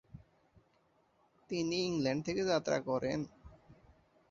তিনি ইংল্যান্ড থেকে যাত্রা করেন।